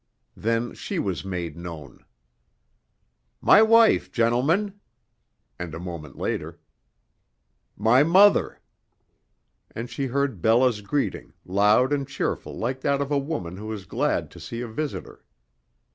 Then she was made known. "My wife, gentlemen!" And a moment later: "My mother!" And she heard Bella's greeting, loud and cheerful like that of a woman who is glad to see a visitor.